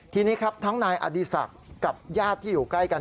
ทีนี้ครับทั้งนายอดีศักดิ์กับญาติที่อยู่ใกล้กัน